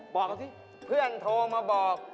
บอกเขาสิเพื่อนโทรมาบอก